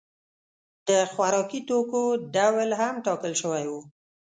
د خوراکي توکو ډول هم ټاکل شوی و.